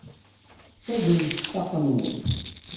Ssadret ṭṭaq-nwen!